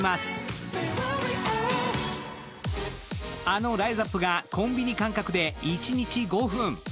あのライザップがコンビニ感覚で一日５分。